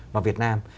vào việt nam